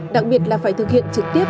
đặc biệt là phải thực hiện trực tiếp